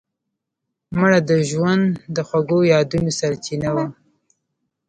مړه د ژوند د خوږو یادونو سرچینه وه